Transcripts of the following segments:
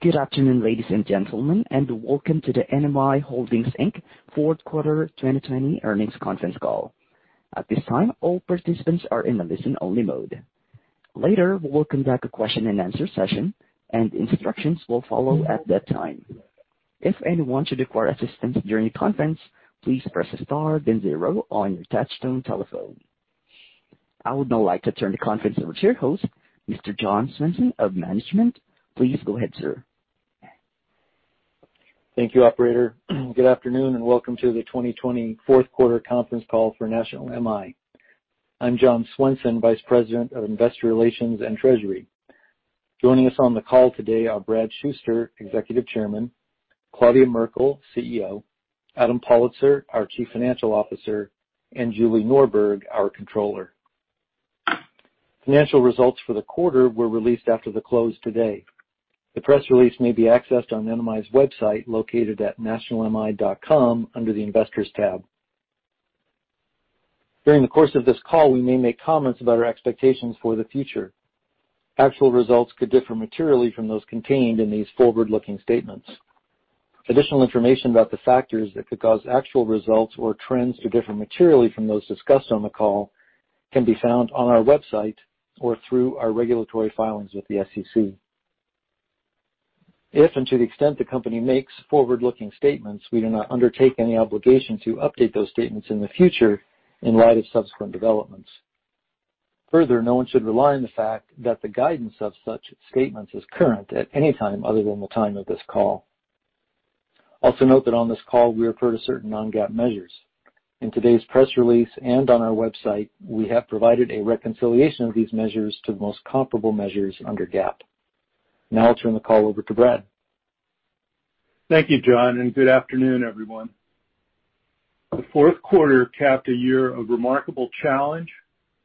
Good afternoon, ladies and gentlemen, welcome to the NMI Holdings, Inc. fourth quarter 2020 earnings conference call. At this time, all participants are in a listen-only mode. Later, we'll conduct a question and answer session. Instructions will follow at that time. If anyone should require assistance during the conference, please press star then zero on your touchtone telephone. I would now like to turn the conference over to your host, Mr. John Swenson of Management. Please go ahead, sir. Thank you, operator. Good afternoon, welcome to the 2020 fourth quarter conference call for National MI. I'm John Swenson, Vice President of Investor Relations and Treasury. Joining us on the call today are Bradley Shuster, Executive Chairman, Claudia Merkle, CEO, Adam Pollitzer, our Chief Financial Officer, and Julie Norberg, our Controller. Financial results for the quarter were released after the close today. The press release may be accessed on NMI's website located at nationalmi.com under the Investors tab. During the course of this call, we may make comments about our expectations for the future. Actual results could differ materially from those contained in these forward-looking statements. Additional information about the factors that could cause actual results or trends to differ materially from those discussed on the call can be found on our website or through our regulatory filings with the SEC. If and to the extent the company makes forward-looking statements, we do not undertake any obligation to update those statements in the future in light of subsequent developments. Further, no one should rely on the fact that the guidance of such statements is current at any time other than the time of this call. Also note that on this call we refer to certain non-GAAP measures. In today's press release and on our website, we have provided a reconciliation of these measures to the most comparable measures under GAAP. Now I'll turn the call over to Brad. Thank you, John, and good afternoon, everyone. The fourth quarter capped a year of remarkable challenge,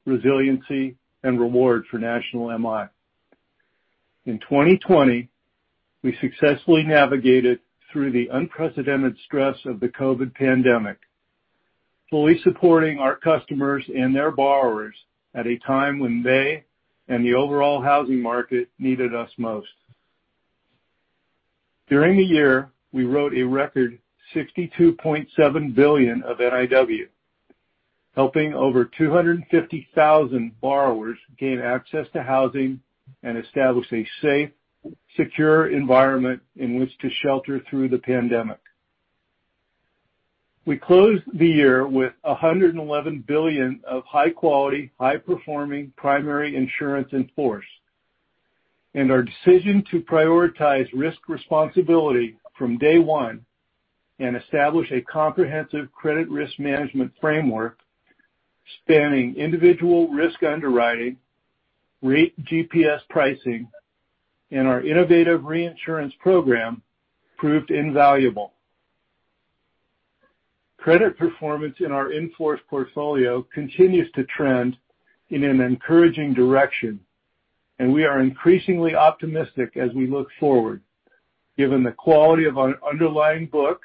resiliency, and reward for National MI. In 2020, we successfully navigated through the unprecedented stress of the COVID pandemic, fully supporting our customers and their borrowers at a time when they and the overall housing market needed us most. During the year, we wrote a record $62.7 billion of NIW, helping over 250,000 borrowers gain access to housing and establish a safe, secure environment in which to shelter through the pandemic. We closed the year with $111 billion of high-quality, high-performing primary insurance in force. Our decision to prioritize risk responsibility from day one and establish a comprehensive credit risk management framework spanning individual risk underwriting, Rate GPS pricing, and our innovative reinsurance program proved invaluable. Credit performance in our in-force portfolio continues to trend in an encouraging direction, and we are increasingly optimistic as we look forward, given the quality of our underlying book,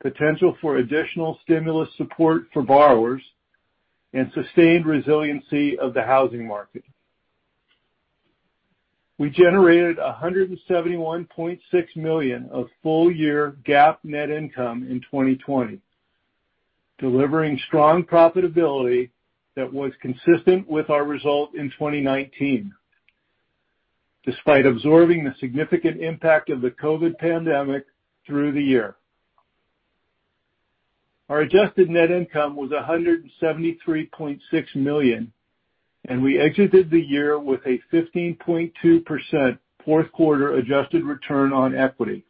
potential for additional stimulus support for borrowers, and sustained resiliency of the housing market. We generated $171.6 million of full-year GAAP net income in 2020, delivering strong profitability that was consistent with our result in 2019, despite absorbing the significant impact of the COVID pandemic through the year. Our adjusted net income was $173.6 million, and we exited the year with a 15.2% fourth-quarter adjusted return on equity.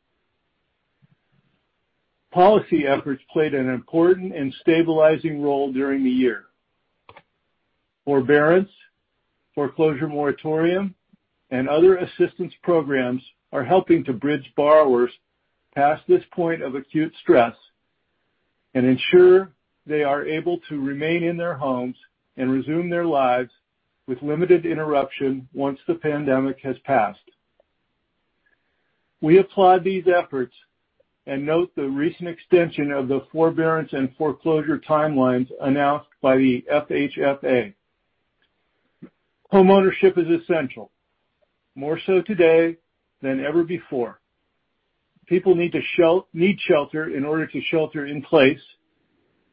Policy efforts played an important and stabilizing role during the year. Forbearance, foreclosure moratorium, and other assistance programs are helping to bridge borrowers past this point of acute stress and ensure they are able to remain in their homes and resume their lives with limited interruption once the pandemic has passed. We applaud these efforts and note the recent extension of the forbearance and foreclosure timelines announced by the FHFA. Homeownership is essential, more so today than ever before. People need shelter in order to shelter in place,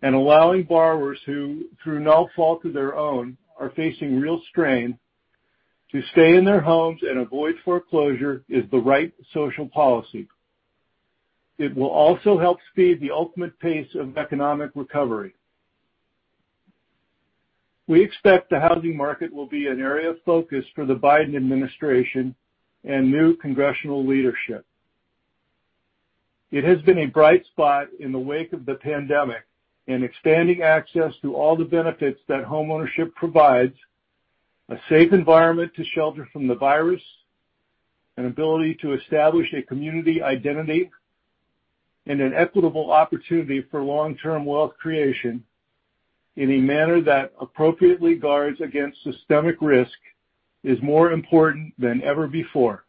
and allowing borrowers who, through no fault of their own, are facing real strain to stay in their homes and avoid foreclosure is the right social policy. It will also help speed the ultimate pace of economic recovery. We expect the housing market will be an area of focus for the Biden administration and new congressional leadership. It has been a bright spot in the wake of the pandemic, expanding access to all the benefits that homeownership provides, a safe environment to shelter from the virus, an ability to establish a community identity, and an equitable opportunity for long-term wealth creation in a manner that appropriately guards against systemic risk is more important than ever before.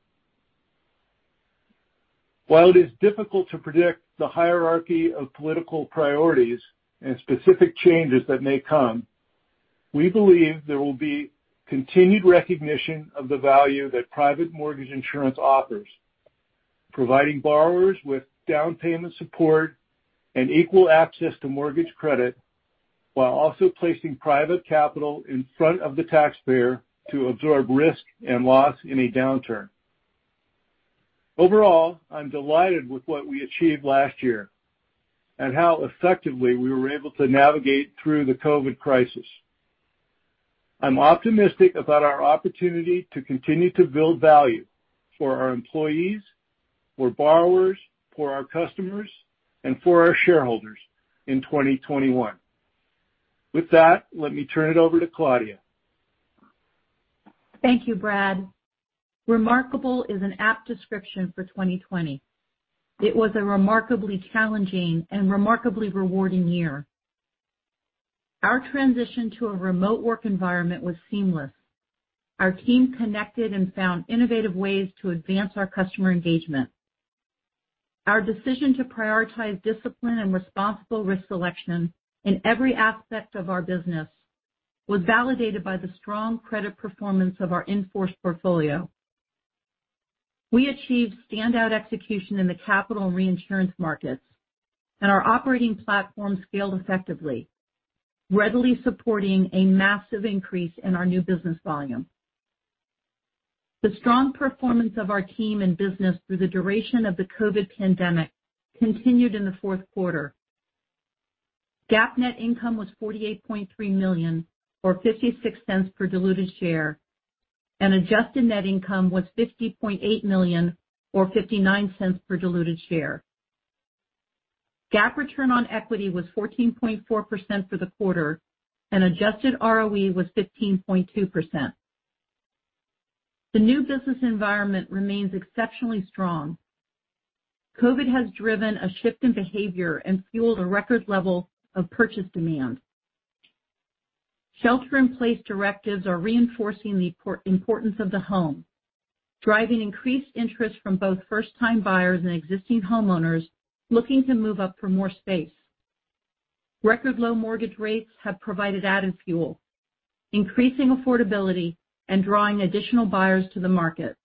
While it is difficult to predict the hierarchy of political priorities and specific changes that may come, we believe there will be continued recognition of the value that private mortgage insurance offers, providing borrowers with down payment support and equal access to mortgage credit while also placing private capital in front of the taxpayer to absorb risk and loss in a downturn. Overall, I'm delighted with what we achieved last year and how effectively we were able to navigate through the COVID crisis. I'm optimistic about our opportunity to continue to build value for our employees, for borrowers, for our customers, and for our shareholders in 2021. With that, let me turn it over to Claudia. Thank you, Brad. Remarkable is an apt description for 2020. It was a remarkably challenging and remarkably rewarding year. Our transition to a remote work environment was seamless. Our team connected and found innovative ways to advance our customer engagement. Our decision to prioritize discipline and responsible risk selection in every aspect of our business was validated by the strong credit performance of our in-force portfolio. We achieved standout execution in the capital reinsurance markets. Our operating platform scaled effectively, readily supporting a massive increase in our new business volume. The strong performance of our team and business through the duration of the COVID pandemic continued in the fourth quarter. GAAP net income was $48.3 million, or $0.56 per diluted share. Adjusted net income was $50.8 million, or $0.59 per diluted share. GAAP return on equity was 14.4% for the quarter. Adjusted ROE was 15.2%. The new business environment remains exceptionally strong. COVID has driven a shift in behavior and fueled a record level of purchase demand. Shelter-in-place directives are reinforcing the importance of the home, driving increased interest from both first-time buyers and existing homeowners looking to move up for more space. Record low mortgage rates have provided added fuel, increasing affordability and drawing additional buyers to the market.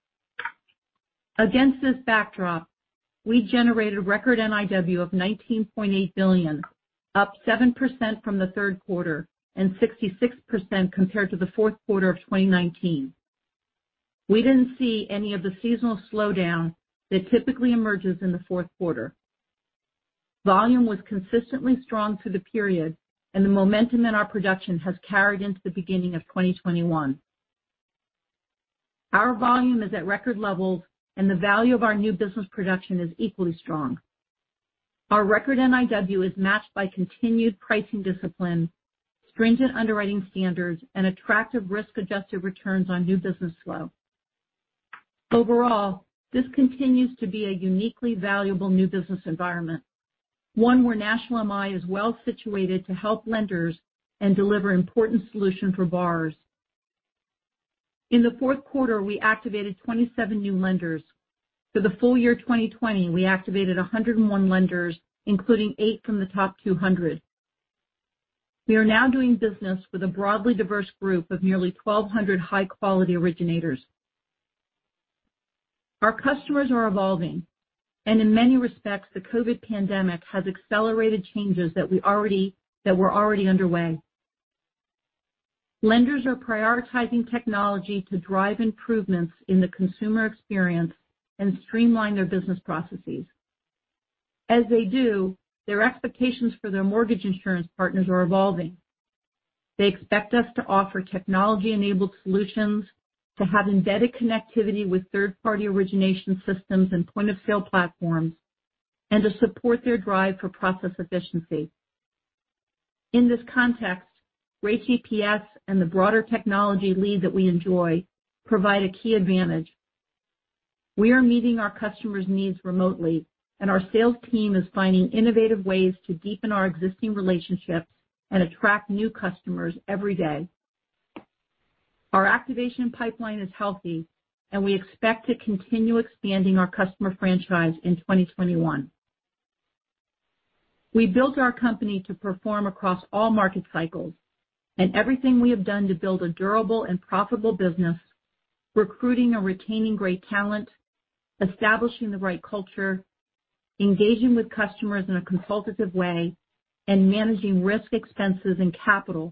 Against this backdrop, we generated record NIW of $19.8 billion, up 7% from the third quarter and 66% compared to the fourth quarter of 2019. We didn't see any of the seasonal slowdown that typically emerges in the fourth quarter. Volume was consistently strong through the period, and the momentum in our production has carried into the beginning of 2021. Our volume is at record levels, and the value of our new business production is equally strong. Our record NIW is matched by continued pricing discipline, stringent underwriting standards, and attractive risk-adjusted returns on new business flow. Overall, this continues to be a uniquely valuable new business environment, one where National MI is well-situated to help lenders and deliver important solution for borrowers. In the fourth quarter, we activated 27 new lenders. For the full year 2020, we activated 101 lenders, including eight from the top 200. We are now doing business with a broadly diverse group of nearly 1,200 high-quality originators. Our customers are evolving, in many respects, the COVID pandemic has accelerated changes that were already underway. Lenders are prioritizing technology to drive improvements in the consumer experience and streamline their business processes. As they do, their expectations for their mortgage insurance partners are evolving. They expect us to offer technology-enabled solutions, to have embedded connectivity with third-party origination systems and point-of-sale platforms, and to support their drive for process efficiency. In this context, Rate GPS and the broader technology lead that we enjoy provide a key advantage. We are meeting our customers' needs remotely, and our sales team is finding innovative ways to deepen our existing relationships and attract new customers every day. Our activation pipeline is healthy, and we expect to continue expanding our customer franchise in 2021. We built our company to perform across all market cycles, and everything we have done to build a durable and profitable business, recruiting and retaining great talent, establishing the right culture, engaging with customers in a consultative way, and managing risk expenses and capital,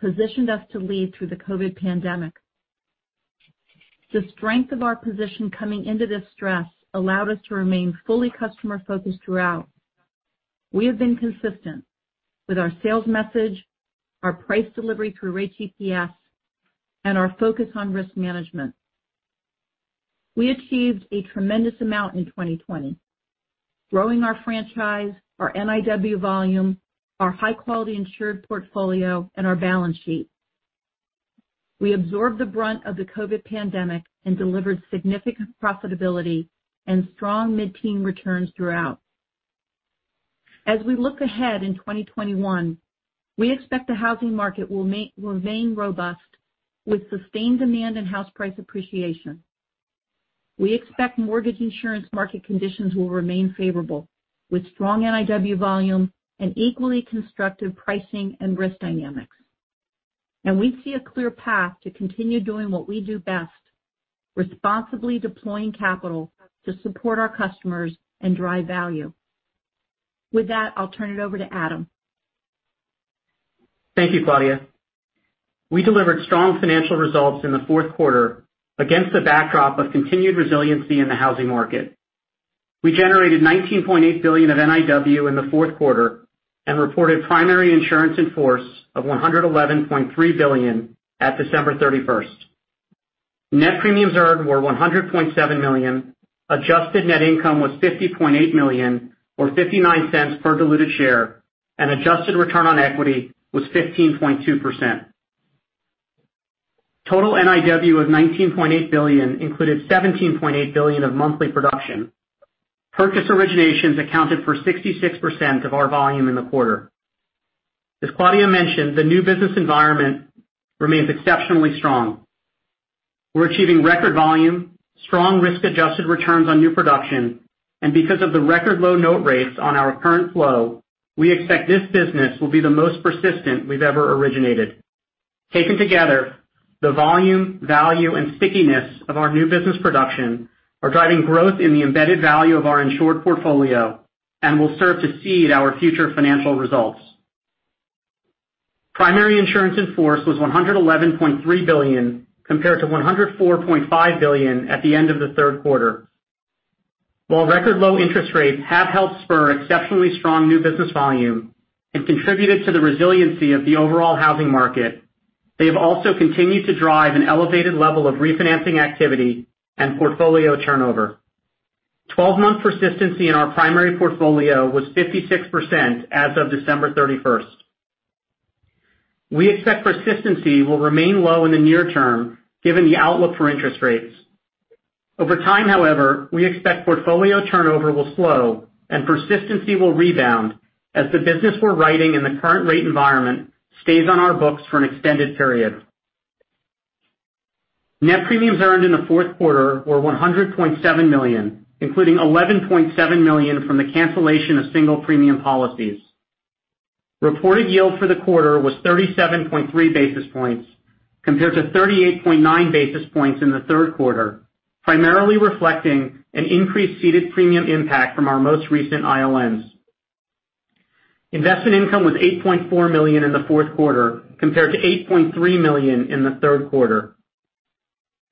positioned us to lead through the COVID pandemic. The strength of our position coming into this stress allowed us to remain fully customer-focused throughout. We have been consistent with our sales message, our price delivery through Rate GPS, and our focus on risk management. We achieved a tremendous amount in 2020, growing our franchise, our NIW volume, our high-quality insured portfolio, and our balance sheet. We absorbed the brunt of the COVID pandemic and delivered significant profitability and strong mid-teen returns throughout. As we look ahead in 2021, we expect the housing market will remain robust with sustained demand and house price appreciation. We expect mortgage insurance market conditions will remain favorable with strong NIW volume and equally constructive pricing and risk dynamics. We see a clear path to continue doing what we do best, responsibly deploying capital to support our customers and drive value. With that, I'll turn it over to Adam. Thank you, Claudia. We delivered strong financial results in the fourth quarter against the backdrop of continued resiliency in the housing market. We generated $19.8 billion of NIW in the fourth quarter and reported primary insurance in force of $111.3 billion at December 31st. Net premiums earned were $100.7 million, adjusted net income was $50.8 million, or $0.59 per diluted share, and adjusted return on equity was 15.2%. Total NIW of $19.8 billion included $17.8 billion of monthly production. Purchase originations accounted for 66% of our volume in the quarter. As Claudia mentioned, the new business environment remains exceptionally strong. We're achieving record volume, strong risk-adjusted returns on new production, and because of the record low note rates on our current flow, we expect this business will be the most persistent we've ever originated. Taken together, the volume, value, and stickiness of our new business production are driving growth in the embedded value of our insured portfolio and will serve to seed our future financial results. Primary insurance in force was $111.3 billion, compared to $104.5 billion at the end of the third quarter. While record low interest rates have helped spur exceptionally strong new business volume and contributed to the resiliency of the overall housing market, they have also continued to drive an elevated level of refinancing activity and portfolio turnover. Twelve-month persistency in our primary portfolio was 56% as of December 31st. We expect persistency will remain low in the near term given the outlook for interest rates. Over time, however, we expect portfolio turnover will slow and persistency will rebound as the business we're writing in the current rate environment stays on our books for an extended period. Net premiums earned in the fourth quarter were $100.7 million, including $11.7 million from the cancellation of single premium policies. Reported yield for the quarter was 37.3 basis points, compared to 38.9 basis points in the third quarter, primarily reflecting an increased ceded premium impact from our most recent ILNs. Investment income was $8.4 million in the fourth quarter, compared to $8.3 million in the third quarter.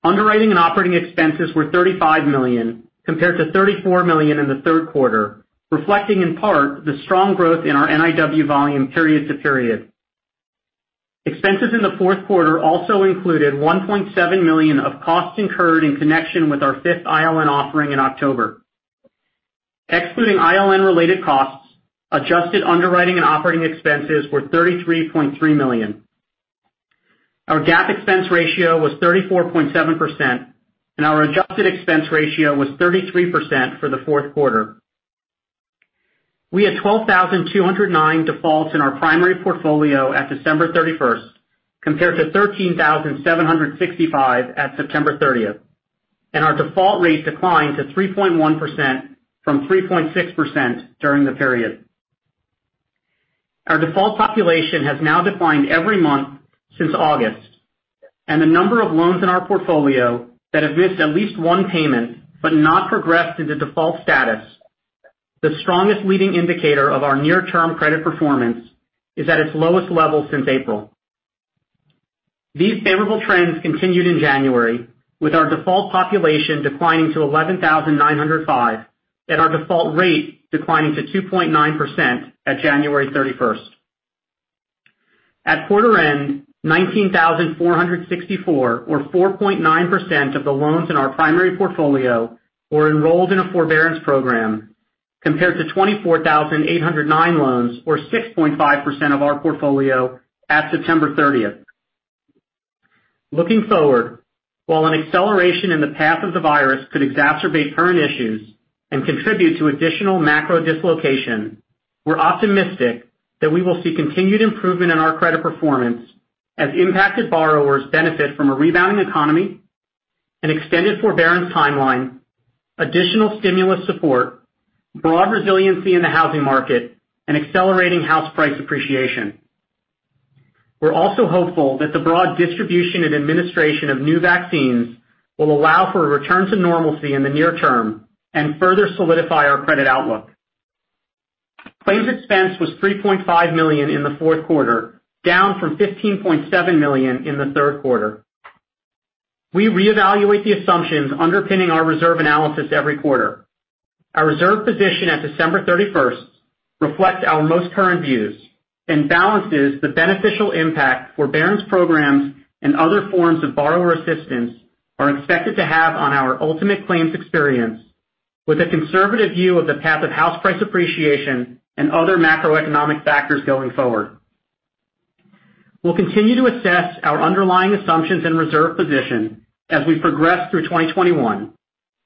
Underwriting and operating expenses were $35 million, compared to $34 million in the third quarter, reflecting in part the strong growth in our NIW volume period to period. Expenses in the fourth quarter also included $1.7 million of costs incurred in connection with our fifth ILN offering in October. Excluding ILN-related costs, adjusted underwriting and operating expenses were $33.3 million. Our GAAP expense ratio was 34.7%, and our adjusted expense ratio was 33% for the fourth quarter. We had 12,209 defaults in our primary portfolio at December 31st, compared to 13,765 at September 30th. Our default rate declined to 3.1% from 3.6% during the period. Our default population has now declined every month since August. The number of loans in our portfolio that have missed at least one payment but not progressed to the default status, the strongest leading indicator of our near-term credit performance, is at its lowest level since April. These favorable trends continued in January, with our default population declining to 11,905 and our default rate declining to 2.9% at January 31st. At quarter end, 19,464 or 4.9% of the loans in our primary portfolio were enrolled in a forbearance program compared to 24,809 loans or 6.5% of our portfolio at September 30th. Looking forward, while an acceleration in the path of the virus could exacerbate current issues and contribute to additional macro dislocation, we're optimistic that we will see continued improvement in our credit performance as impacted borrowers benefit from a rebounding economy, an extended forbearance timeline, additional stimulus support, broad resiliency in the housing market, and accelerating house price appreciation. We're also hopeful that the broad distribution and administration of new vaccines will allow for a return to normalcy in the near term and further solidify our credit outlook. Claims expense was $3.5 million in the fourth quarter, down from $15.7 million in the third quarter. We reevaluate the assumptions underpinning our reserve analysis every quarter. Our reserve position at December 31st reflects our most current views and balances the beneficial impact forbearance programs and other forms of borrower assistance are expected to have on our ultimate claims experience with a conservative view of the path of house price appreciation and other macroeconomic factors going forward. We'll continue to assess our underlying assumptions and reserve position as we progress through 2021,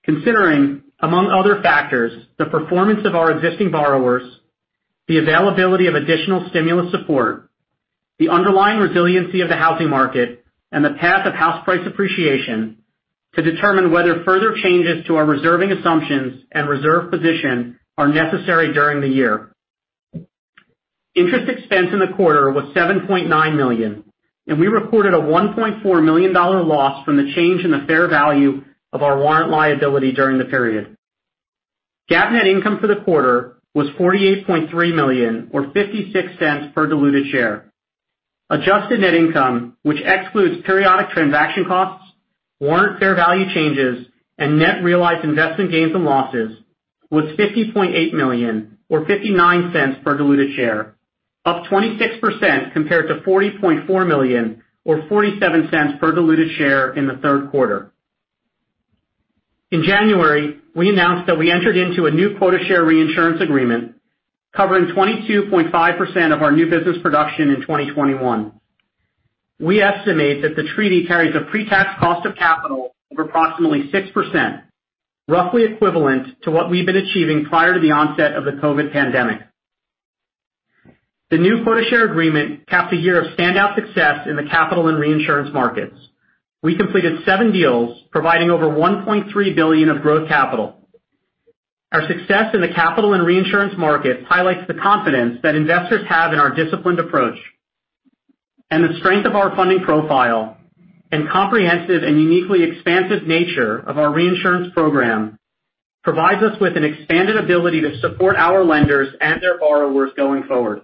considering, among other factors, the performance of our existing borrowers, the availability of additional stimulus support, the underlying resiliency of the housing market, and the path of house price appreciation to determine whether further changes to our reserving assumptions and reserve position are necessary during the year. Interest expense in the quarter was $7.9 million, and we recorded a $1.4 million loss from the change in the fair value of our warrant liability during the period. GAAP net income for the quarter was $48.3 million or $0.56 per diluted share. Adjusted net income, which excludes periodic transaction costs, warrant fair value changes, and net realized investment gains and losses, was $50.8 million or $0.59 per diluted share. Up 26% compared to $40.4 million or $0.47 per diluted share in the third quarter. In January, we announced that we entered into a new quota share reinsurance agreement covering 22.5% of our new business production in 2021. We estimate that the treaty carries a pre-tax cost of capital of approximately 6%, roughly equivalent to what we've been achieving prior to the onset of the COVID pandemic. The new quota share agreement capped a year of standout success in the capital and reinsurance markets. We completed seven deals providing over $1.3 billion of growth capital. Our success in the capital and reinsurance market highlights the confidence that investors have in our disciplined approach and the strength of our funding profile, and comprehensive and uniquely expansive nature of our reinsurance program provides us with an expanded ability to support our lenders and their borrowers going forward.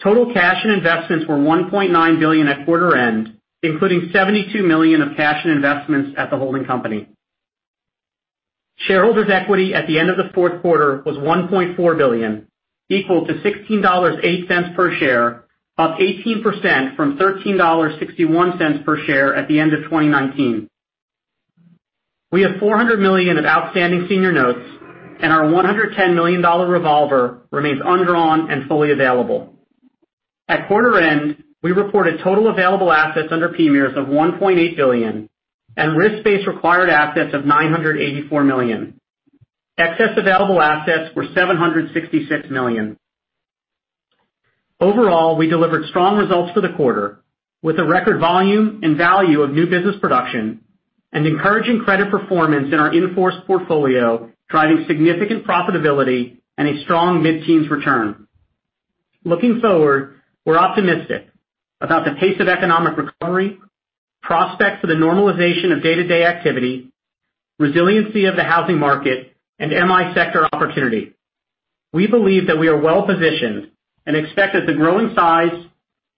Total cash and investments were $1.9 billion at quarter end, including $72 million of cash and investments at the holding company. Shareholders' equity at the end of the fourth quarter was $1.4 billion, equal to $16.08 per share, up 18% from $13.61 per share at the end of 2019. We have $400 million of outstanding senior notes and our $110 million revolver remains undrawn and fully available. At quarter end, we reported total available assets under PMIERs of $1.8 billion and risk-based required assets of $984 million. Excess available assets were $766 million. Overall, we delivered strong results for the quarter with a record volume and value of new business production and encouraging credit performance in our in-force portfolio, driving significant profitability and a strong mid-teens return. Looking forward, we're optimistic about the pace of economic recovery, prospects for the normalization of day-to-day activity, resiliency of the housing market, and MI sector opportunity. We believe that we are well-positioned and expect that the growing size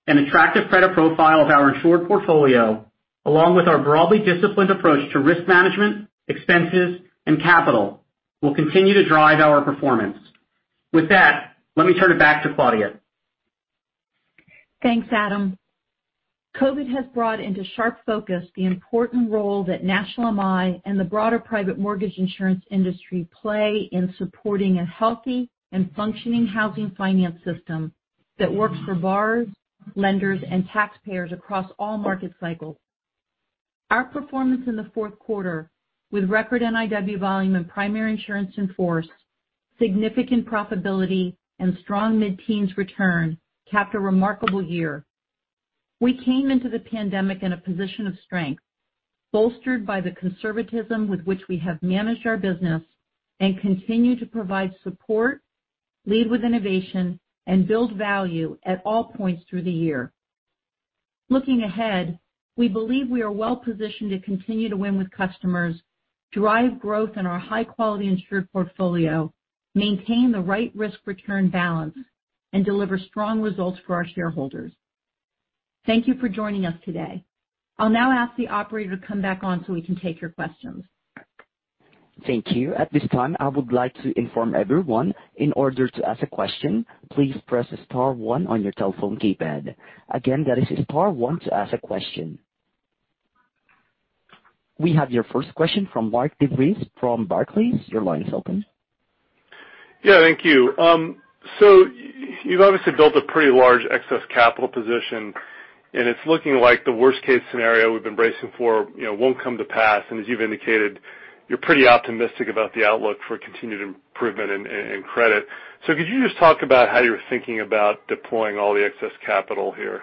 and attractive credit profile of our insured portfolio, along with our broadly disciplined approach to risk management, expenses, and capital, will continue to drive our performance. With that, let me turn it back to Claudia. Thanks, Adam. COVID has brought into sharp focus the important role that National MI and the broader private mortgage insurance industry play in supporting a healthy and functioning housing finance system that works for borrowers, lenders, and taxpayers across all market cycles. Our performance in the fourth quarter, with record NIW volume and primary insurance in force, significant profitability, and strong mid-teens return, capped a remarkable year. We came into the pandemic in a position of strength, bolstered by the conservatism with which we have managed our business and continue to provide support, lead with innovation, and build value at all points through the year. Looking ahead, we believe we are well-positioned to continue to win with customers, drive growth in our high-quality insured portfolio, maintain the right risk-return balance, and deliver strong results for our shareholders. Thank you for joining us today. I'll now ask the operator to come back on so we can take your questions. Thank you. At this time, I would like to inform everyone, in order to ask a question, please press star one on your telephone keypad. Again, that is star one to ask a question. We have your first question from Mark DeVries from Barclays. Your line is open. Yeah, thank you. You've obviously built a pretty large excess capital position, and it's looking like the worst case scenario we've been bracing for won't come to pass. As you've indicated, you're pretty optimistic about the outlook for continued improvement in credit. Could you just talk about how you're thinking about deploying all the excess capital here?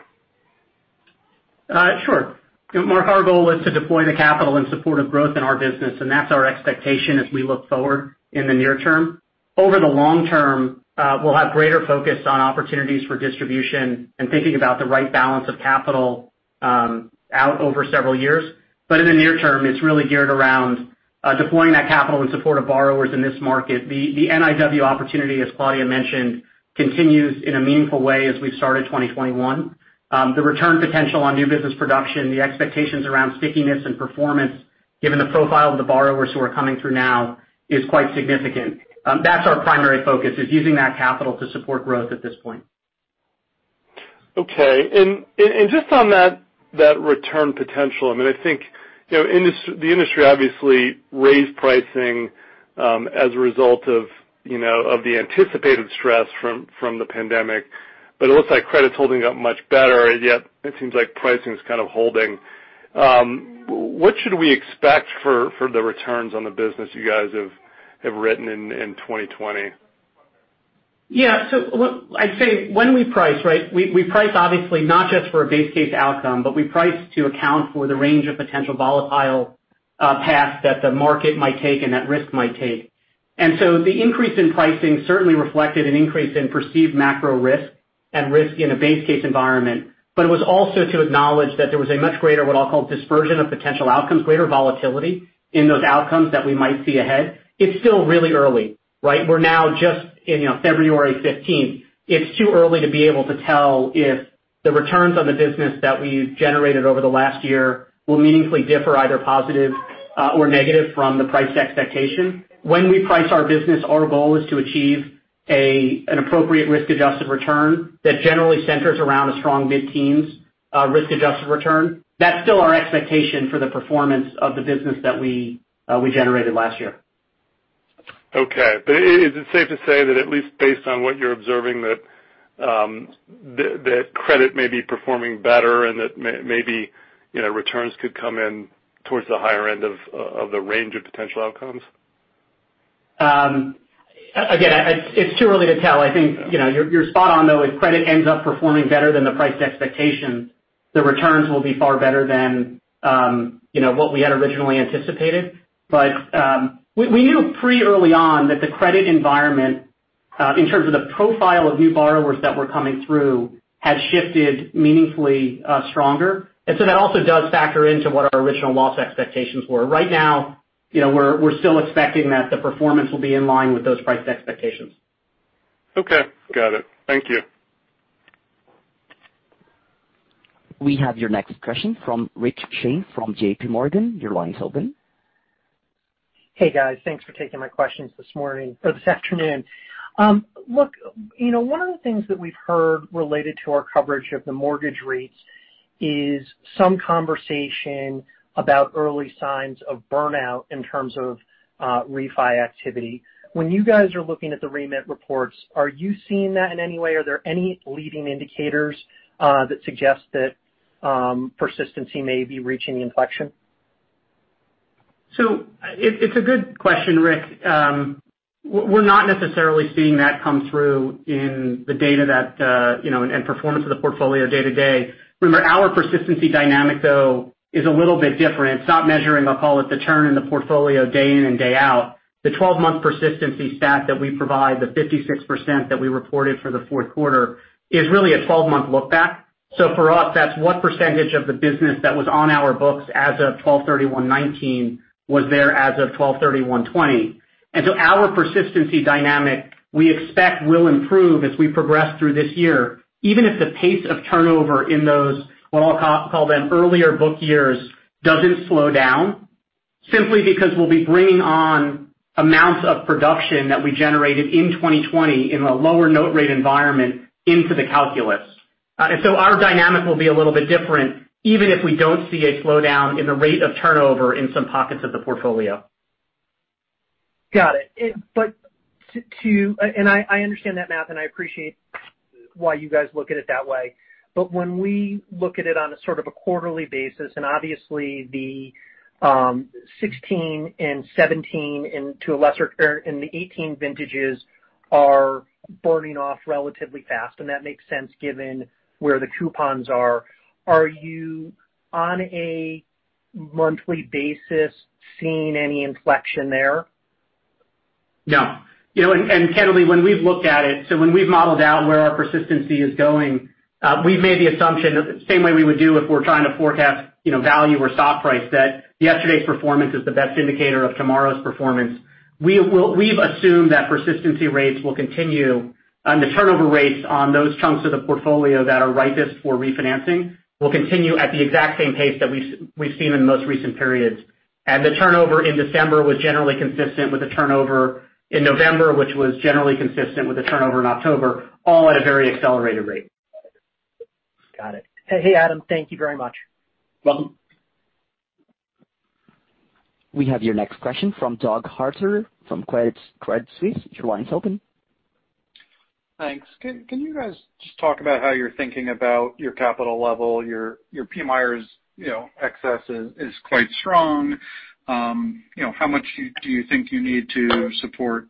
Sure. Mark, our goal is to deploy the capital in support of growth in our business. That's our expectation as we look forward in the near term. Over the long term, we'll have greater focus on opportunities for distribution and thinking about the right balance of capital, out over several years. In the near term, it's really geared around deploying that capital in support of borrowers in this market. The NIW opportunity, as Claudia mentioned, continues in a meaningful way as we've started 2021. The return potential on new business production, the expectations around stickiness and performance, given the profile of the borrowers who are coming through now, is quite significant. That's our primary focus, is using that capital to support growth at this point. Okay. Just on that return potential, I think the industry obviously raised pricing as a result of the anticipated stress from the pandemic. It looks like credit's holding up much better, and yet it seems like pricing is kind of holding. What should we expect for the returns on the business you guys have written in 2020? Yeah. I'd say when we price, right, we price obviously not just for a base case outcome, but we price to account for the range of potential volatile paths that the market might take and that risk might take. The increase in pricing certainly reflected an increase in perceived macro risk and risk in a base case environment. It was also to acknowledge that there was a much greater, what I'll call, dispersion of potential outcomes, greater volatility in those outcomes that we might see ahead. It's still really early, right? We're now just in February 15th. It's too early to be able to tell if the returns on the business that we've generated over the last year will meaningfully differ, either positive or negative, from the price expectation. When we price our business, our goal is to achieve an appropriate risk-adjusted return that generally centers around a strong mid-teens risk-adjusted return. That's still our expectation for the performance of the business that we generated last year. Okay. Is it safe to say that at least based on what you're observing, that credit may be performing better and that maybe returns could come in towards the higher end of the range of potential outcomes? It's too early to tell. I think you're spot on, though. If credit ends up performing better than the priced expectation, the returns will be far better than what we had originally anticipated. We knew pretty early on that the credit environment, in terms of the profile of new borrowers that were coming through, had shifted meaningfully stronger. That also does factor into what our original loss expectations were. Right now, we're still expecting that the performance will be in line with those priced expectations. Okay, got it. Thank you. We have your next question from Rick Shane from JPMorgan. Your line is open. Hey, guys. Thanks for taking my questions this morning, or this afternoon. One of the things that we've heard related to our coverage of the mortgage rates is some conversation about early signs of burnout in terms of refi activity. When you guys are looking at the NMI reports, are you seeing that in any way? Are there any leading indicators that suggest that persistency may be reaching inflection? It's a good question, Rick. We're not necessarily seeing that come through in the data that, and performance of the portfolio day to day. Remember, our persistency dynamic, though, is a little bit different. It's not measuring, I'll call it, the turn in the portfolio day in and day out. The 12-month persistency stat that we provide, the 56% that we reported for the fourth quarter, is really a 12-month look back. For us, that's what percentage of the business that was on our books as of 12/31/2019 was there as of 12/31/2020. Our persistency dynamic we expect will improve as we progress through this year, even if the pace of turnover in those, what I'll call them, earlier book years doesn't slow down, simply because we'll be bringing on amounts of production that we generated in 2020 in the lower note rate environment into the calculus. Our dynamic will be a little bit different, even if we don't see a slowdown in the rate of turnover in some pockets of the portfolio. Got it. I understand that math, and I appreciate why you guys look at it that way. When we look at it on a sort of a quarterly basis, and obviously the 2016 and 2017, and to a lesser the 2018 vintages are burning off relatively fast, and that makes sense given where the coupons are. Are you, on a monthly basis, seeing any inflection there? No. Candidly, when we've looked at it, so when we've modeled out where our persistency is going, we've made the assumption, same way we would do if we're trying to forecast value or stock price, that yesterday's performance is the best indicator of tomorrow's performance. We've assumed that persistency rates will continue, and the turnover rates on those chunks of the portfolio that are ripest for refinancing will continue at the exact same pace that we've seen in most recent periods. The turnover in December was generally consistent with the turnover in November, which was generally consistent with the turnover in October, all at a very accelerated rate. Got it. Hey, Adam, thank you very much. Welcome. We have your next question from Doug Harter from Credit Suisse. Your line is open. Thanks. Can you guys just talk about how you're thinking about your capital level? Your PMIERs excess is quite strong. How much do you think you need to support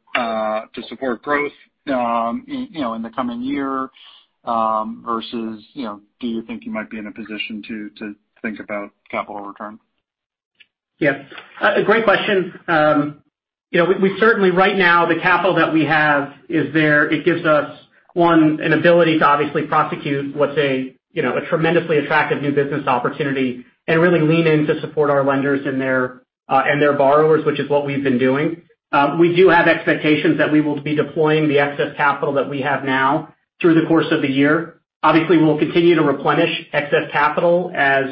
growth in the coming year, versus do you think you might be in a position to think about capital return? Yeah. Great question. We certainly, right now, the capital that we have is there. It gives us, one, an ability to obviously prosecute what's a tremendously attractive new business opportunity and really lean in to support our lenders and their borrowers, which is what we've been doing. We do have expectations that we will be deploying the excess capital that we have now through the course of the year. Obviously, we'll continue to replenish excess capital as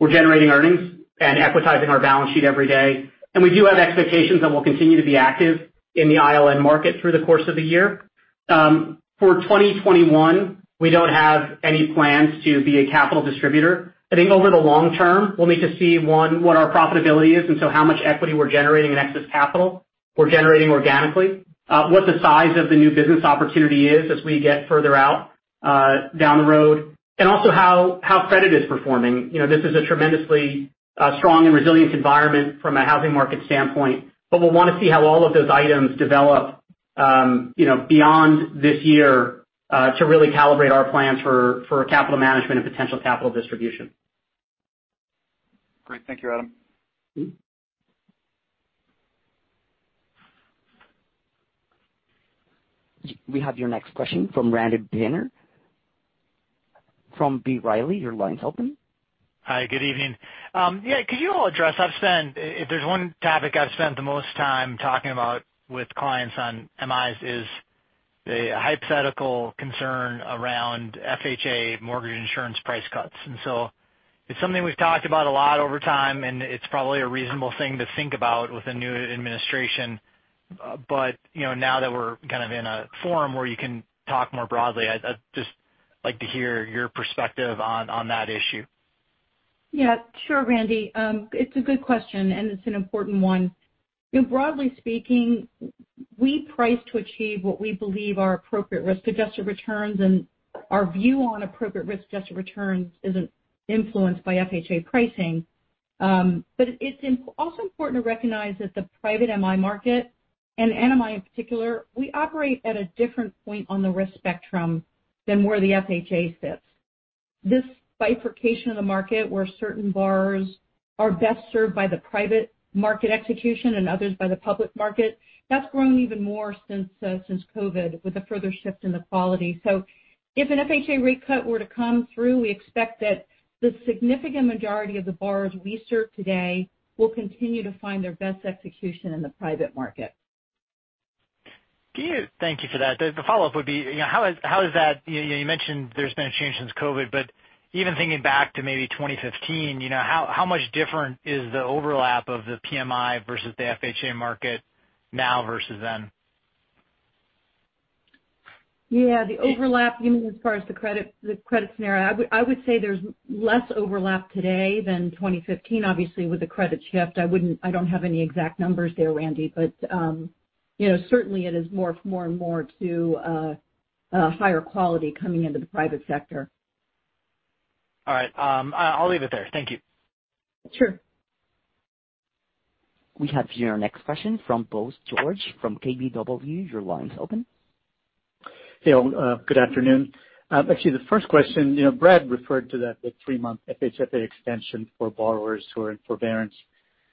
we're generating earnings and equitizing our balance sheet every day. We do have expectations that we'll continue to be active in the ILN market through the course of the year. For 2021, we don't have any plans to be a capital distributor. I think over the long term, we'll need to see, one, what our profitability is, how much equity we're generating in excess capital, we're generating organically, what the size of the new business opportunity is as we get further out, down the road, and also how credit is performing. This is a tremendously strong and resilient environment from a housing market standpoint. We'll want to see how all of those items develop beyond this year, to really calibrate our plans for capital management and potential capital distribution. Great. Thank you, Adam. We have your next question from Randy Binner from B. Riley. Your line's open. Hi, good evening. Yeah, could you all address, if there's one topic I've spent the most time talking about with clients on MIs is the hypothetical concern around FHA mortgage insurance price cuts. It's something we've talked about a lot over time, and it's probably a reasonable thing to think about with a new administration. Now that we're kind of in a forum where you can talk more broadly, I'd just like to hear your perspective on that issue. Yeah, sure, Randy. It's a good question, and it's an important one. Broadly speaking, we price to achieve what we believe are appropriate risk-adjusted returns, and our view on appropriate risk-adjusted returns isn't influenced by FHA pricing. It's also important to recognize that the private MI market, and NMI in particular, we operate at a different point on the risk spectrum than where the FHA sits. This bifurcation of the market, where certain borrowers are best served by the private market execution and others by the public market, that's grown even more since COVID with a further shift in the quality. If an FHA rate cut were to come through, we expect that the significant majority of the borrowers we serve today will continue to find their best execution in the private market. Thank you for that. The follow-up would be, you mentioned there's been a change since COVID, but even thinking back to maybe 2015, how much different is the overlap of the PMI versus the FHA market now versus then? Yeah. The overlap, you mean as far as the credit scenario? I would say there's less overlap today than 2015, obviously, with the credit shift. I don't have any exact numbers there, Randy. Certainly it is morph more and more to higher quality coming into the private sector. All right. I'll leave it there. Thank you. Sure. We have your next question from Bose George from KBW. Your line's open. Hey. Good afternoon. The first question, Brad referred to that three-month FHFA extension for borrowers who are in forbearance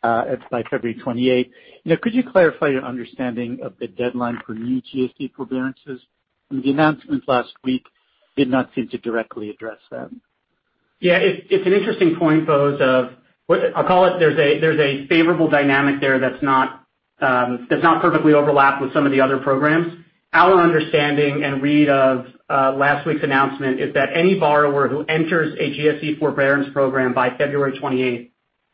by February 28th. Could you clarify your understanding of the deadline for new GSE forbearances? The announcement last week did not seem to directly address that. Yeah. It's an interesting point, Bose. I'll call it, there's a favorable dynamic there that's not perfectly overlapped with some of the other programs. Our understanding and read of last week's announcement is that any borrower who enters a GSE forbearance program by February 28th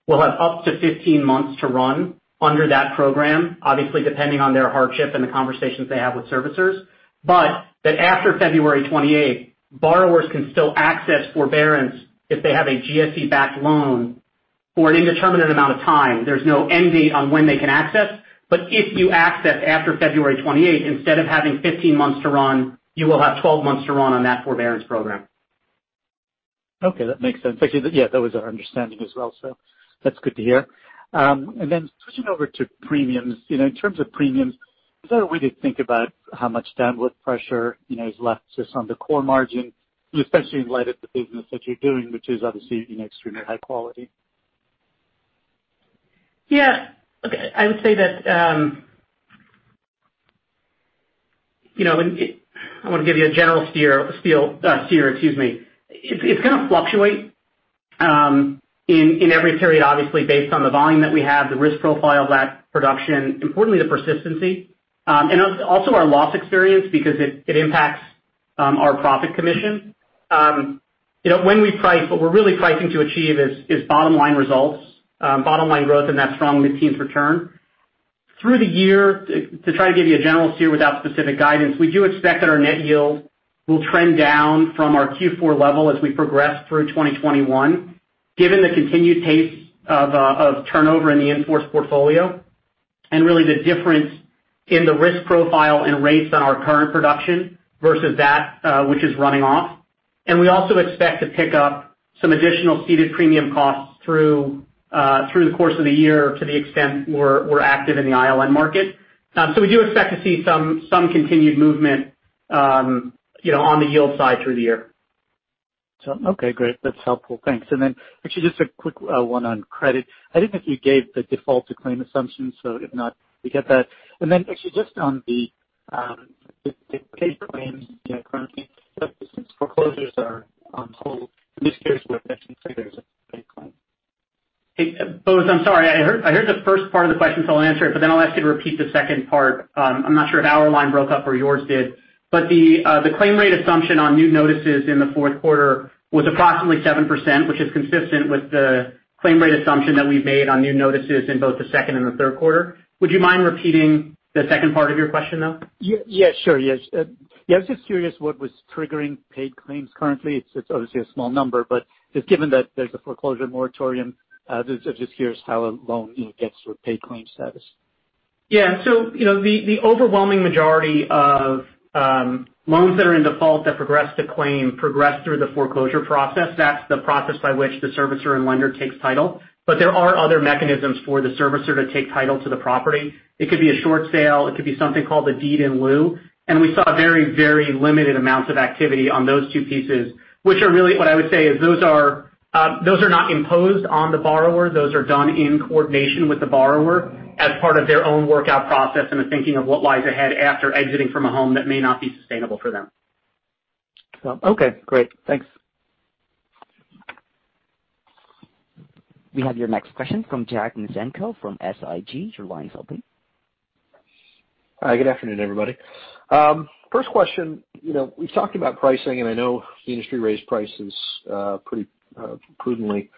will have up to 15 months to run under that program, obviously, depending on their hardship and the conversations they have with servicers. That after February 28th, borrowers can still access forbearance if they have a GSE-backed loan for an indeterminate amount of time. There's no end date on when they can access. If you access after February 28th, instead of having 15 months to run, you will have 12 months to run on that forbearance program. Okay. That makes sense. Actually, yeah, that was our understanding as well, so that's good to hear. Switching over to premiums. In terms of premiums, is there a way to think about how much downward pressure is left just on the core margin, especially in light of the business that you're doing, which is obviously extremely high quality? Yeah. Okay. I would say that, I want to give you a general steer. It's going to fluctuate, in every period, obviously, based on the volume that we have, the risk profile of that production, importantly, the persistency, and also our loss experience because it impacts our profit commission. When we price, what we're really pricing to achieve is bottom-line results, bottom-line growth and that strong mid-teens return. Through the year, to try to give you a general steer without specific guidance, we do expect that our net yield will trend down from our Q4 level as we progress through 2021, given the continued pace of turnover in the in-force portfolio, and really the difference in the risk profile and rates on our current production versus that which is running off. We also expect to pick up some additional ceded premium costs through the course of the year to the extent we're active in the ILN market. We do expect to see some continued movement on the yield side through the year. Okay, great. That's helpful. Thanks. Actually, just a quick one on credit. I don't think you gave the default to claim assumption, if not, we get that. Actually just on the paid claims currently, since foreclosures are on hold, I'm just curious what effect you think there is on paid claims? Hey, Bose, I'm sorry. I heard the first part of the question, so I'll answer it, but then I'll ask you to repeat the second part. I'm not sure if our line broke up or yours did, but the claim rate assumption on new notices in the fourth quarter was approximately 7%, which is consistent with the claim rate assumption that we've made on new notices in both the second and the third quarter. Would you mind repeating the second part of your question, though? Yeah, sure. Yes. I was just curious what was triggering paid claims currently. It's obviously a small number, but just given that there's a foreclosure moratorium, just curious how a loan gets to a paid claim status. Yeah. The overwhelming majority of loans that are in default that progress to claim progress through the foreclosure process. That's the process by which the servicer and lender takes title. There are other mechanisms for the servicer to take title to the property. It could be a short sale, it could be something called a deed in lieu, and we saw very, very limited amounts of activity on those two pieces, which are really what I would say is, those are not imposed on the borrower. Those are done in coordination with the borrower as part of their own workout process and the thinking of what lies ahead after exiting from a home that may not be sustainable for them. Okay, great. Thanks. We have your next question from Jack Micenko from SIG. Your line is open. Hi, good afternoon, everybody. First question. We've talked about pricing, and I know the industry raised prices pretty prudently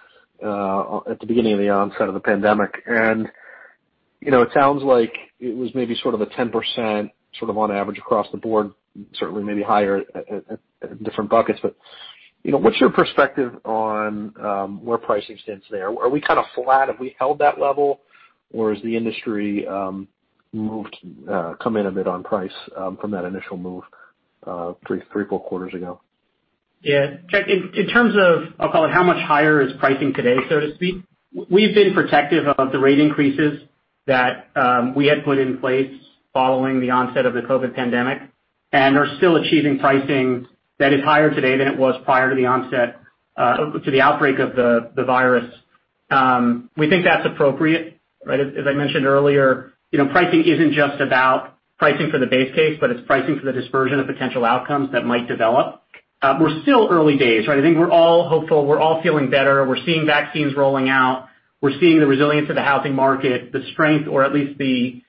at the beginning of the onset of the pandemic. It sounds like it was maybe sort of a 10%, sort of on average across the board, certainly maybe higher at different buckets. What's your perspective on where pricing stands there? Are we kind of flat? Have we held that level? Has the industry come in a bit on price from that initial move three, four quarters ago? Yeah. Jack, in terms of, I'll call it how much higher is pricing today, so to speak, we've been protective of the rate increases that we had put in place following the onset of the COVID pandemic and are still achieving pricing that is higher today than it was prior to the onset, to the outbreak of the virus. We think that's appropriate, right? As I mentioned earlier, pricing isn't just about pricing for the base case, but it's pricing for the dispersion of potential outcomes that might develop. We're still early days, right? I think we're all hopeful. We're all feeling better. We're seeing vaccines rolling out. We're seeing the resilience of the housing market, the strength, or at least the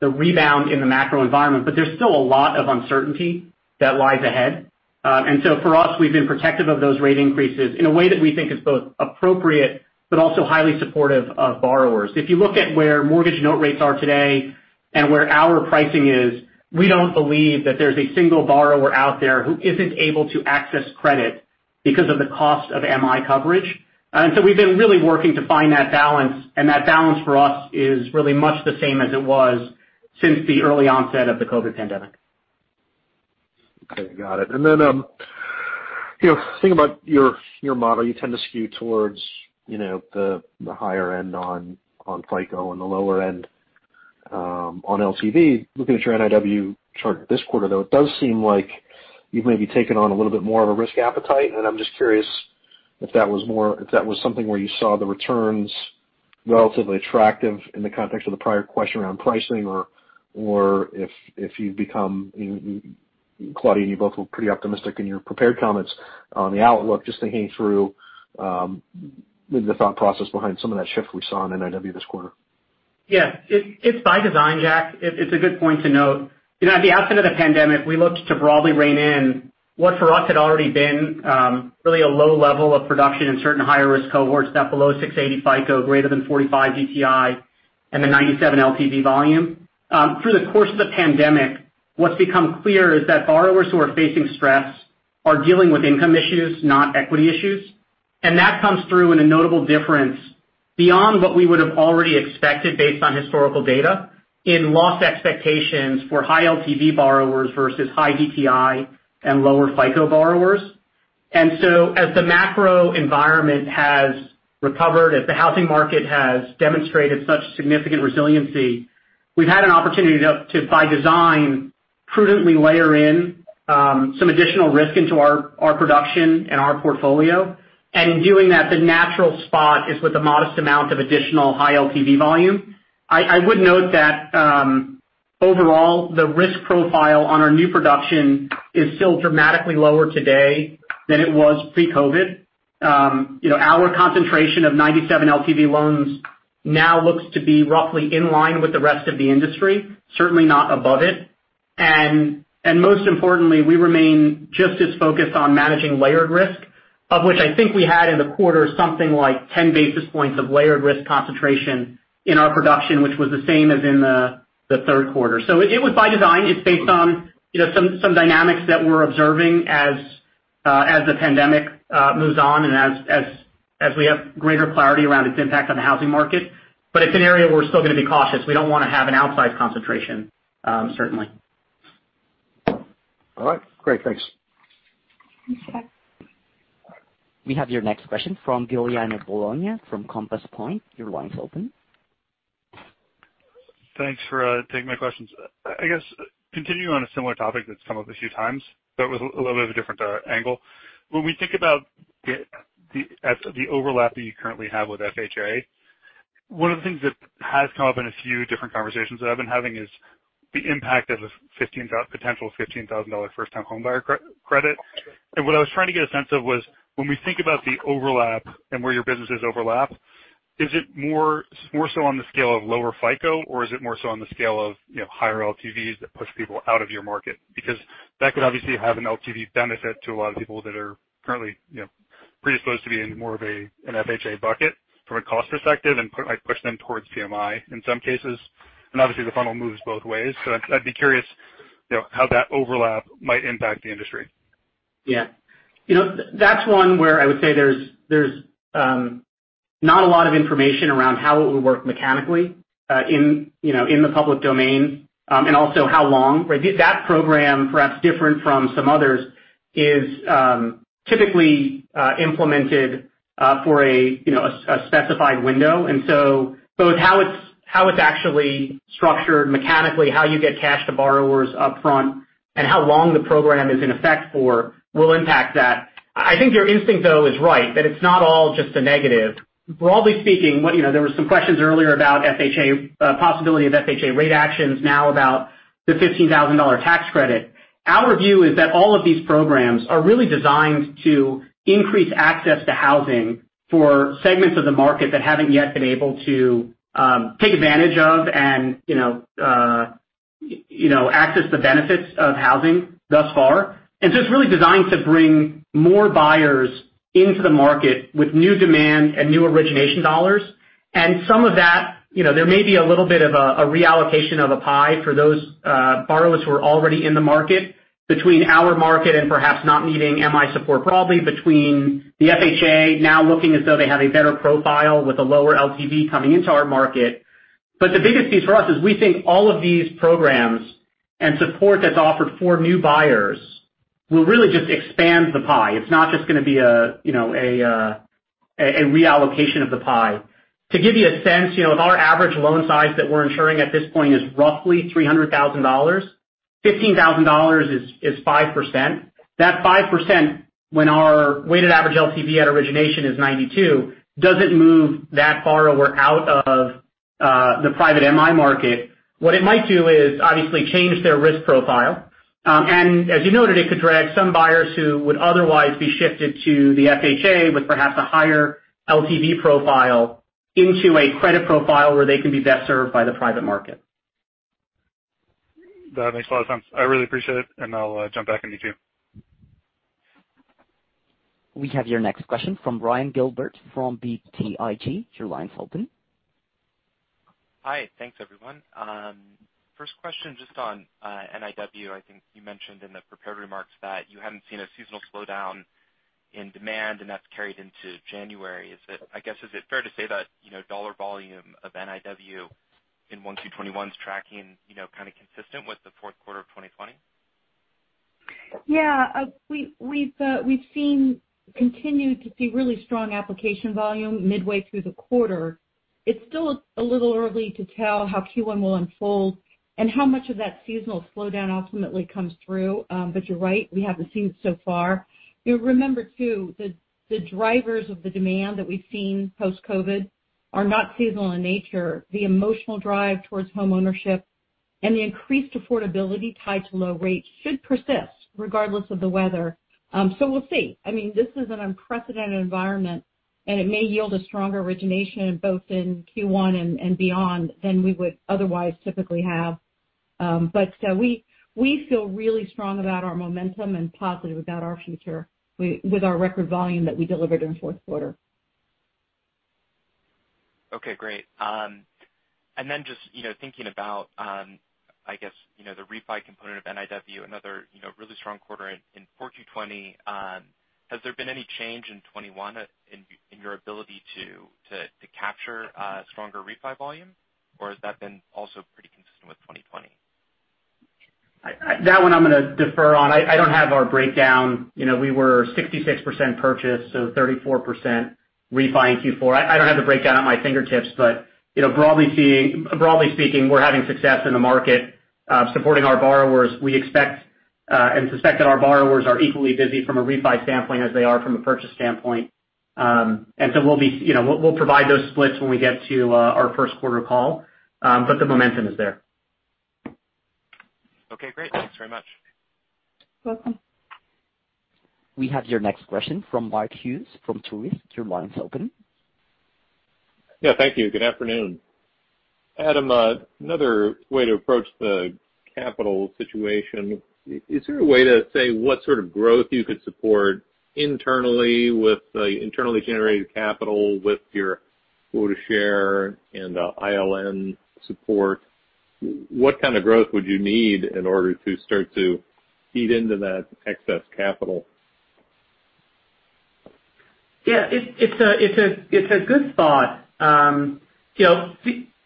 rebound in the macro environment. There's still a lot of uncertainty that lies ahead. For us, we've been protective of those rate increases in a way that we think is both appropriate, but also highly supportive of borrowers. If you look at where mortgage note rates are today and where our pricing is, we don't believe that there's a single borrower out there who isn't able to access credit because of the cost of MI coverage. We've been really working to find that balance, and that balance for us is really much the same as it was since the early onset of the COVID pandemic. Okay, got it. Thinking about your model, you tend to skew towards the higher end on FICO and the lower end on LTV. Looking at your NIW chart this quarter, though, it does seem like you've maybe taken on a little bit more of a risk appetite, and I'm just curious if that was something where you saw the returns relatively attractive in the context of the prior question around pricing or if you've become, Claudia, you both were pretty optimistic in your prepared comments on the outlook. Just thinking through the thought process behind some of that shift we saw in NIW this quarter? Yeah. It's by design, Jack. It's a good point to note. At the outset of the pandemic, we looked to broadly rein in what for us had already been really a low level of production in certain higher risk cohorts, that below 680 FICO, greater than 45 DTI, and the 97 LTV volume. Through the course of the pandemic, what's become clear is that borrowers who are facing stress are dealing with income issues, not equity issues. That comes through in a notable difference beyond what we would have already expected based on historical data in loss expectations for high LTV borrowers versus high DTI and lower FICO borrowers. As the macro environment has recovered, as the housing market has demonstrated such significant resiliency, we've had an opportunity to, by design, prudently layer in some additional risk into our production and our portfolio. In doing that, the natural spot is with a modest amount of additional high LTV volume. I would note that overall, the risk profile on our new production is still dramatically lower today than it was pre-COVID. Our concentration of 97 LTV loans now looks to be roughly in line with the rest of the industry, certainly not above it. Most importantly, we remain just as focused on managing layered risk, of which I think we had in the quarter something like 10 basis points of layered risk concentration in our production, which was the same as in the third quarter. It was by design. It's based on some dynamics that we're observing as the pandemic moves on and as we have greater clarity around its impact on the housing market. It's an area we're still going to be cautious. We don't want to have an outsized concentration, certainly. All right, great. Thanks. Thanks, Jack. We have your next question from Giuliano Bologna from Compass Point. Your line is open. Thanks for taking my questions. I guess continuing on a similar topic that's come up a few times, but with a little bit of a different angle. When we think about the overlap that you currently have with FHA. One of the things that has come up in a few different conversations that I've been having is the impact of a potential $15,000 first-time homebuyer credit. What I was trying to get a sense of was when we think about the overlap and where your businesses overlap, is it more so on the scale of lower FICO or is it more so on the scale of higher LTVs that push people out of your market? That could obviously have an LTV benefit to a lot of people that are currently predisposed to be in more of an FHA bucket from a cost perspective and might push them towards PMI in some cases. Obviously, the funnel moves both ways. I'd be curious how that overlap might impact the industry. Yeah. That's one where I would say there's not a lot of information around how it would work mechanically in the public domain, also how long. That program, perhaps different from some others, is typically implemented for a specified window. Both how it's actually structured mechanically, how you get cash to borrowers upfront, and how long the program is in effect for will impact that. I think your instinct, though, is right, that it's not all just a negative. Broadly speaking, there were some questions earlier about possibility of FHA rate actions, now about the $15,000 tax credit. Our view is that all of these programs are really designed to increase access to housing for segments of the market that haven't yet been able to take advantage of and access the benefits of housing thus far. It's really designed to bring more buyers into the market with new demand and new origination dollars. Some of that, there may be a little bit of a reallocation of a pie for those borrowers who are already in the market between our market and perhaps not needing MI support broadly between the FHA now looking as though they have a better profile with a lower LTV coming into our market. The biggest piece for us is we think all of these programs and support that's offered for new buyers will really just expand the pie. It's not just going to be a reallocation of the pie. To give you a sense, our average loan size that we're insuring at this point is roughly $300,000. $15,000 is 5%. That 5%, when our weighted average LTV at origination is 92, doesn't move that borrower out of the private MI market. What it might do is obviously change their risk profile. As you noted, it could drag some buyers who would otherwise be shifted to the FHA with perhaps a higher LTV profile into a credit profile where they can be best served by the private market. That makes a lot of sense. I really appreciate it. I'll jump back in the queue. We have your next question from Ryan Gilbert from BTIG. Your line's open. Hi. Thanks, everyone. First question just on NIW. I think you mentioned in the prepared remarks that you haven't seen a seasonal slowdown in demand, and that's carried into January. I guess, is it fair to say that dollar volume of NIW in one Q21's tracking consistent with the fourth quarter of 2020? We've continued to see really strong application volume midway through the quarter. It's still a little early to tell how Q1 will unfold and how much of that seasonal slowdown ultimately comes through. You're right, we haven't seen it so far. Remember too, the drivers of the demand that we've seen post-COVID are not seasonal in nature. The emotional drive towards homeownership and the increased affordability tied to low rates should persist regardless of the weather. We'll see. This is an unprecedented environment, and it may yield a stronger origination both in Q1 and beyond than we would otherwise typically have. We feel really strong about our momentum and positive about our future with our record volume that we delivered in the fourth quarter. Okay, great. Just thinking about the refi component of NIW, another really strong quarter in 4Q 2020. Has there been any change in 2021 in your ability to capture stronger refi volume, or has that been also pretty consistent with 2020? That one I'm going to defer on. I don't have our breakdown. We were 66% purchase, so 34% refi in Q4. I don't have the breakdown at my fingertips, but broadly speaking, we're having success in the market supporting our borrowers. We expect and suspect that our borrowers are equally busy from a refi sampling as they are from a purchase standpoint. We'll provide those splits when we get to our first quarter call. The momentum is there. Okay, great. Thanks very much. Welcome. We have your next question from Mark Hughes from Truist. Your line's open. Yeah, thank you. Good afternoon. Adam, another way to approach the capital situation. Is there a way to say what sort of growth you could support internally with the internally generated capital with your quota share and ILN support? What kind of growth would you need in order to start to eat into that excess capital? Yeah. It's a good thought.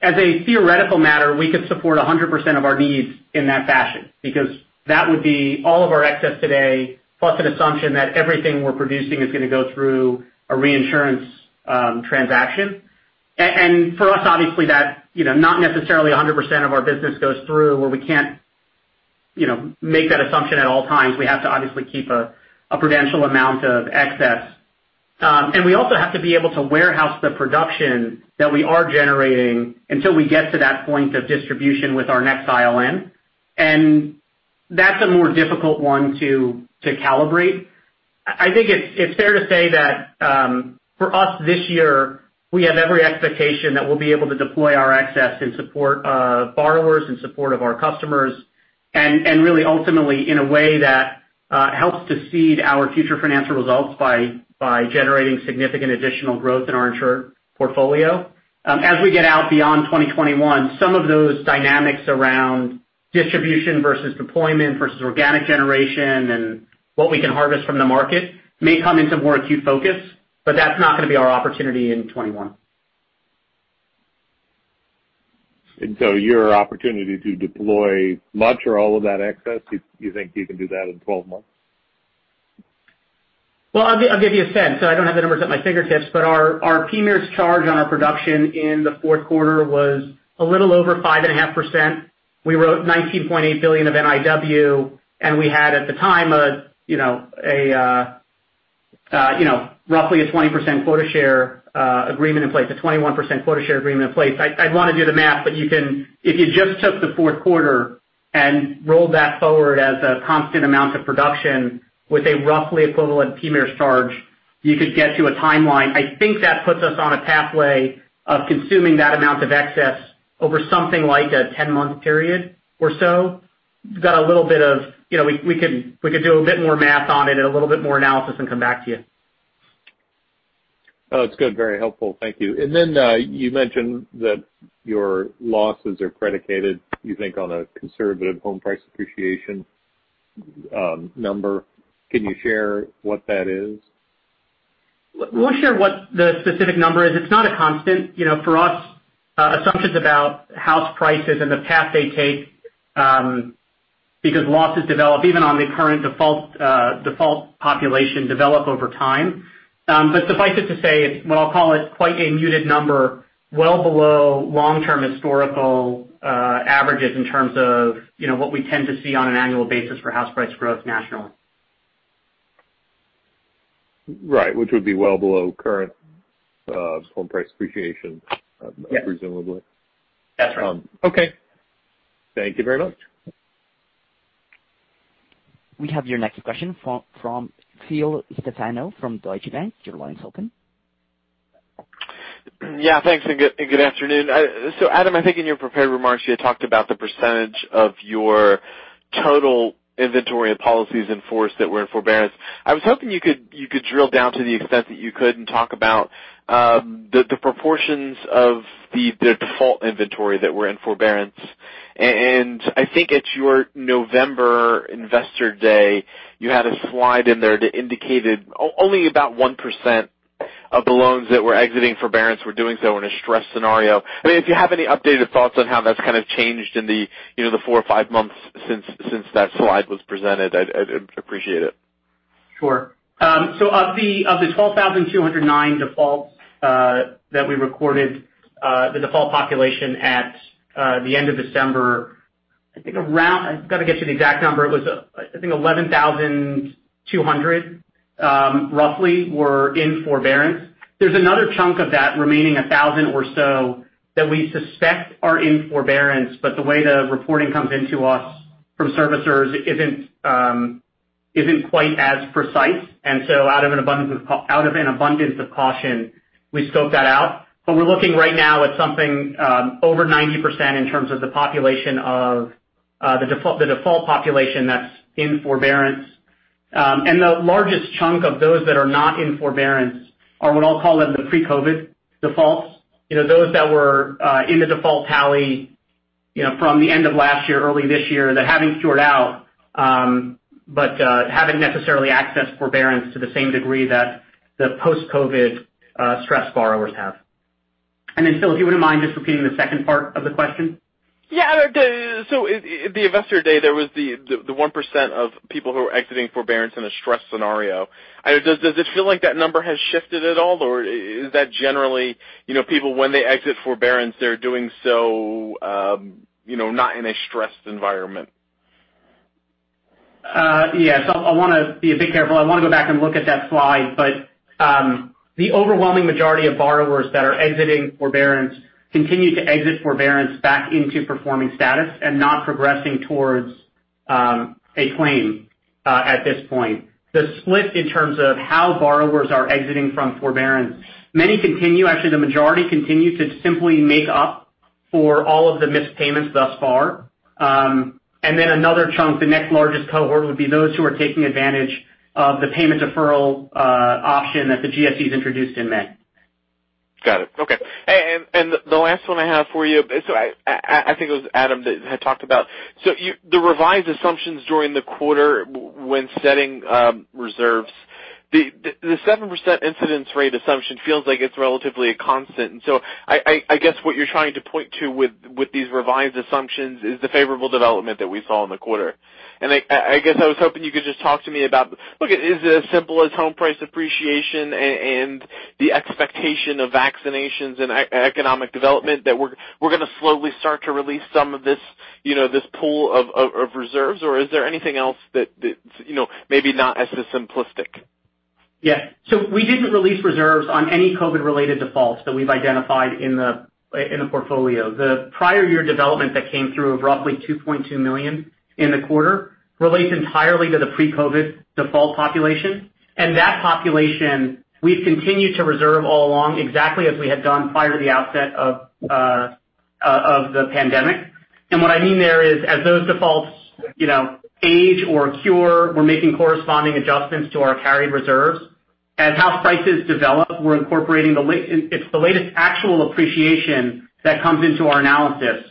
As a theoretical matter, we could support 100% of our needs in that fashion because that would be all of our excess today, plus an assumption that everything we're producing is going to go through a reinsurance transaction. For us, obviously, not necessarily 100% of our business goes through where we make that assumption at all times. We have to obviously keep a prudential amount of excess. We also have to be able to warehouse the production that we are generating until we get to that point of distribution with our next ILN, and that's a more difficult one to calibrate. I think it's fair to say that for us this year, we have every expectation that we'll be able to deploy our excess in support of borrowers, in support of our customers, and really ultimately in a way that helps to seed our future financial results by generating significant additional growth in our insured portfolio. As we get out beyond 2021, some of those dynamics around distribution versus deployment versus organic generation and what we can harvest from the market may come into more acute focus, but that's not going to be our opportunity in 2021. Your opportunity to deploy much or all of that excess, you think you can do that in 12 months? I'll give you a sense. I don't have the numbers at my fingertips, but our PMIERs charge on our production in the fourth quarter was a little over 5.5%. We wrote $19.8 billion of NIW, and we had, at the time, roughly a 20% quota share agreement in place, a 21% quota share agreement in place. I'd want to do the math, if you just took the fourth quarter and rolled that forward as a constant amount of production with a roughly equivalent PMIERs charge, you could get to a timeline. I think that puts us on a pathway of consuming that amount of excess over something like a 10-month period or so. We could do a bit more math on it and a little bit more analysis and come back to you. No, it's good. Very helpful. Thank you. You mentioned that your losses are predicated, you think, on a conservative home price appreciation number. Can you share what that is? We'll share what the specific number is. It's not a constant. For us, assumptions about house prices and the path they take because losses develop even on the current default population develop over time. Suffice it to say, what I'll call it, quite a muted number, well below long-term historical averages in terms of what we tend to see on an annual basis for house price growth nationally. Right, which would be well below current home price appreciation. Yes. Presumably. That's right. Okay. Thank you very much. We have your next question from Phil Stefano from Deutsche Bank. Your line's open. Yeah, thanks, good afternoon. Adam, I think in your prepared remarks, you had talked about the percentage of your total inventory of policies in force that were in forbearance. I was hoping you could drill down to the extent that you could and talk about the proportions of the default inventory that were in forbearance. I think at your November investor day, you had a slide in there that indicated only about 1% of the loans that were exiting forbearance were doing so in a stress scenario. If you have any updated thoughts on how that's kind of changed in the four or five months since that slide was presented, I'd appreciate it. Sure. Of the 12,209 defaults that we recorded, the default population at the end of December, I've got to get you the exact number. It was, I think, 11,200, roughly, were in forbearance. There's another chunk of that remaining 1,000 or so that we suspect are in forbearance, but the way the reporting comes into us from servicers isn't quite as precise. Out of an abundance of caution, we scope that out. We're looking right now at something over 90% in terms of the default population that's in forbearance. The largest chunk of those that are not in forbearance are what I'll call them the pre-COVID defaults. Those that were in the default tally from the end of last year, early this year, that having stewarded out, but haven't necessarily accessed forbearance to the same degree that the post-COVID stressed borrowers have. Phil, if you wouldn't mind just repeating the second part of the question. Yeah. The investor day, there was the 1% of people who were exiting forbearance in a stress scenario. Does it feel like that number has shifted at all? Or is that generally, people when they exit forbearance, they're doing so not in a stressed environment? Yes. I want to be a bit careful. I want to go back and look at that slide. The overwhelming majority of borrowers that are exiting forbearance continue to exit forbearance back into performing status and not progressing towards a claim at this point. The split in terms of how borrowers are exiting from forbearance, many continue, actually, the majority continue to simply make up for all of the missed payments thus far. Another chunk, the next largest cohort, would be those who are taking advantage of the payment deferral option that the GSE has introduced in May. Got it. Okay. The last one I have for you, I think it was Adam that had talked about the revised assumptions during the quarter when setting reserves. The 7% incidence rate assumption feels like it's relatively a constant, I guess what you're trying to point to with these revised assumptions is the favorable development that we saw in the quarter. I guess I was hoping you could just talk to me about, look, is it as simple as home price appreciation and the expectation of vaccinations and economic development that we're going to slowly start to release some of this pool of reserves, or is there anything else that's maybe not as simplistic? Yes. We didn't release reserves on any COVID-related defaults that we've identified in the portfolio. The prior year development that came through of roughly $2.2 million in the quarter relates entirely to the pre-COVID default population. That population we've continued to reserve all along, exactly as we had done prior to the outset of the pandemic. What I mean there is, as those defaults age or cure, we're making corresponding adjustments to our carried reserves. As house prices develop, it's the latest actual appreciation that comes into our analysis.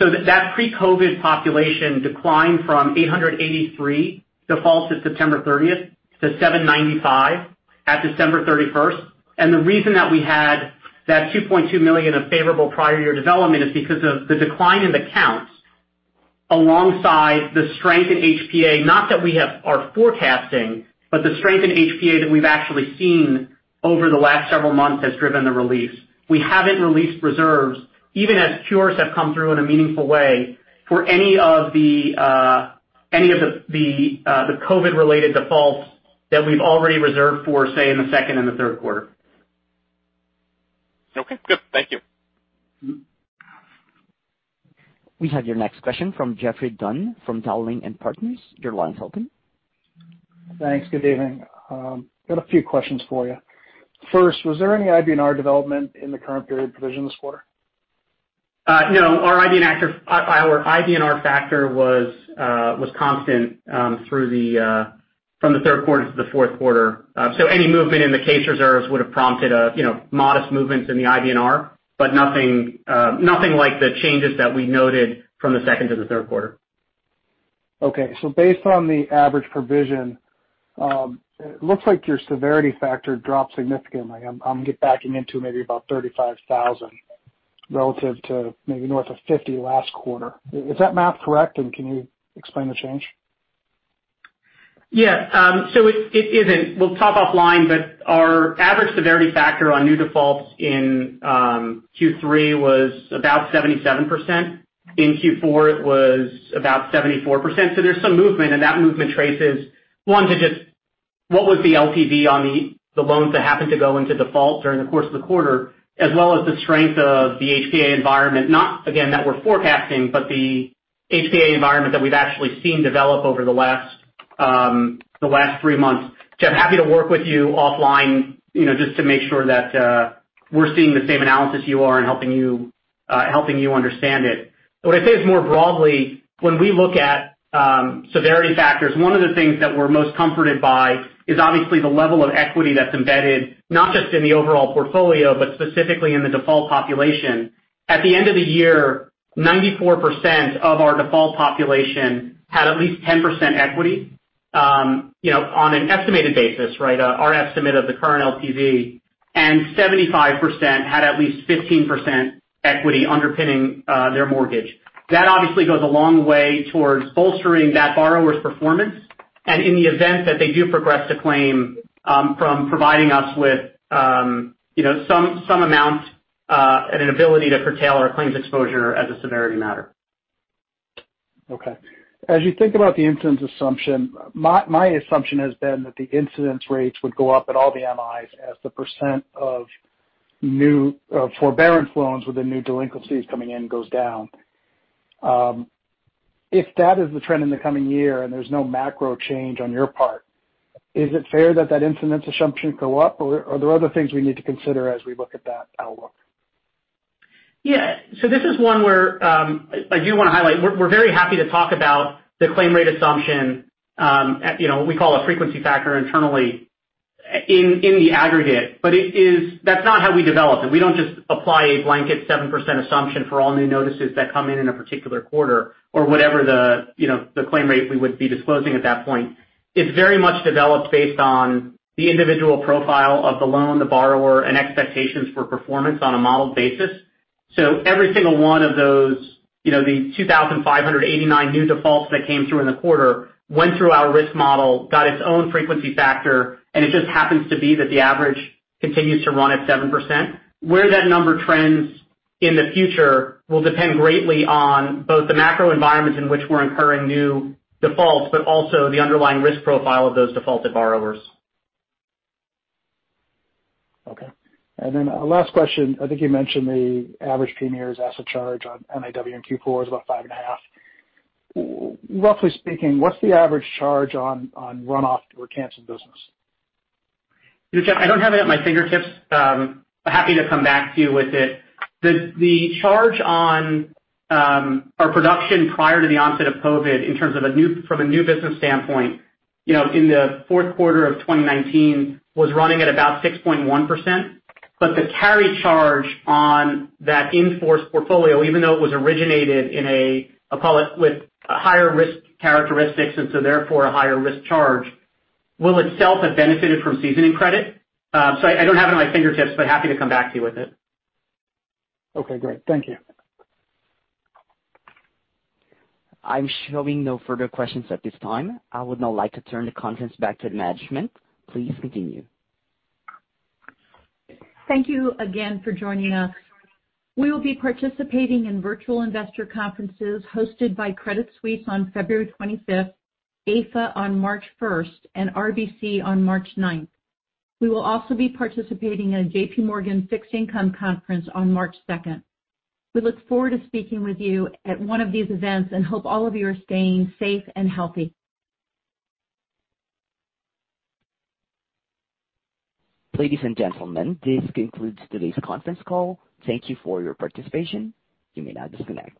That pre-COVID population declined from 883 defaults as September 30th to 795 at December 31st. The reason that we had that $2.2 million of favorable prior year development is because of the decline in the count alongside the strength in HPA, not that we are forecasting, but the strength in HPA that we've actually seen over the last several months has driven the release. We haven't released reserves, even as cures have come through in a meaningful way, for any of the COVID-related defaults that we've already reserved for, say, in the second and third quarter. Okay, good. Thank you. We have your next question from Geoffrey Dunn from Dowling & Partners. Your line's open. Thanks. Good evening. Got a few questions for you. First, was there any IBNR development in the current period provision this quarter? No, our IBNR factor was constant from the third quarter to the fourth quarter. Any movement in the case reserves would've prompted a modest movement in the IBNR, but nothing like the changes that we noted from the second to the third quarter. Okay. Based on the average provision, it looks like your severity factor dropped significantly. I'm backing into maybe about $35,000 relative to maybe north of $50 last quarter. Is that math correct, and can you explain the change? It isn't. We'll talk offline, but our average severity factor on new defaults in Q3 was about 77%. In Q4, it was about 74%. There's some movement, and that movement traces one, to just what was the LTV on the loans that happened to go into default during the course of the quarter, as well as the strength of the HPA environment. Not again, that we're forecasting, but the HPA environment that we've actually seen develop over the last three months. Jeff, happy to work with you offline, just to make sure that we're seeing the same analysis you are and helping you understand it. What I'd say is more broadly, when we look at severity factors, one of the things that we're most comforted by is obviously the level of equity that's embedded, not just in the overall portfolio, but specifically in the default population. At the end of the year, 94% of our default population had at least 10% equity, on an estimated basis, our estimate of the current LTV. 75% had at least 15% equity underpinning their mortgage. That obviously goes a long way towards bolstering that borrower's performance, and in the event that they do progress a claim from providing us with some amount and an ability to curtail our claims exposure as a severity matter. Okay. As you think about the incidence assumption, my assumption has been that the incidence rates would go up at all the MIs as the percent of forbearance loans with the new delinquencies coming in, goes down. If that is the trend in the coming year and there's no macro change on your part, is it fair that that incidence assumption go up, or are there other things we need to consider as we look at that outlook? This is one where I do want to highlight, we're very happy to talk about the claim rate assumption, what we call a frequency factor internally, in the aggregate. That's not how we develop it. We don't just apply a blanket 7% assumption for all new notices that come in in a particular quarter or whatever the claim rate we would be disclosing at that point. It's very much developed based on the individual profile of the loan, the borrower, and expectations for performance on a modeled basis. Every single one of those 2,589 new defaults that came through in the quarter went through our risk model, got its own frequency factor, and it just happens to be that the average continues to run at 7%. Where that number trends in the future will depend greatly on both the macro environments in which we're incurring new defaults, but also the underlying risk profile of those defaulted borrowers. Okay. Last question. I think you mentioned the average PMIERs asset charge on NIW in Q4 is about five and a half. Roughly speaking, what's the average charge on runoff or canceled business? Jeff, I don't have it at my fingertips. Happy to come back to you with it. The charge on our production prior to the onset of COVID, from a new business standpoint, in the fourth quarter of 2019, was running at about 6.1%. The carry charge on that in-force portfolio, even though it was originated with higher risk characteristics and so therefore a higher risk charge, will itself have benefited from seasoning credit. Sorry, I don't have it at my fingertips, but happy to come back to you with it. Okay, great. Thank you. I'm showing no further questions at this time. I would now like to turn the conference back to management. Please continue. Thank you again for joining us. We will be participating in virtual investor conferences hosted by Credit Suisse on February 25th, AFA on March 1st, and RBC on March 9th. We will also be participating in a JPMorgan Fixed Income conference on March 2nd. We look forward to speaking with you at one of these events and hope all of you are staying safe and healthy. Ladies and gentlemen, this concludes today's conference call. Thank you for your participation. You may now disconnect.